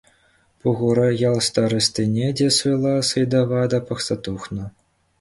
Пухура ял старостине те суйлас ыйтӑва та пӑхса тухнӑ.